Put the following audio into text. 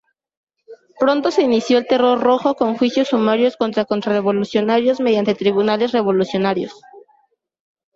Pronto se inició el Terror Rojo con juicios sumarios contra contrarrevolucionarios mediante tribunales revolucionarios.